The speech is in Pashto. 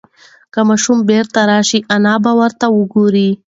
که ماشوم بیا راشي انا به ورته وگوري.